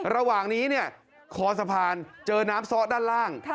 ระหว่างนี้เนี่ยคอสะพานเจอน้ำซ้อด้านล่าง